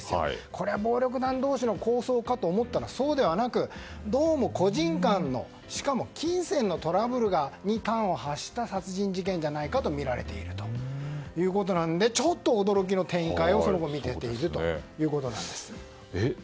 これは暴力団同士の抗争かと思ったらそうではなく、どうも個人間のしかも金銭のトラブルに端を発した殺人事件じゃないかとみられているのでちょっと驚きの展開を見せているということです。